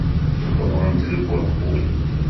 Tewwḍem-d deg wakud.